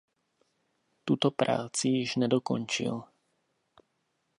Tuto práci již nedokončil.